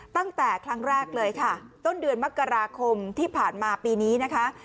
ตั้งแต่ครั้งแรกเลยค่ะต้นเดือนมกราคมที่ผ่านมาปีนี้นะคะ